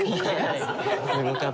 すごかったです。